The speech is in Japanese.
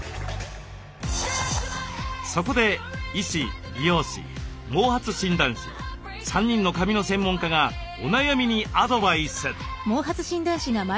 そこで医師美容師毛髪診断士３人の髪の専門家がお悩みにアドバイス。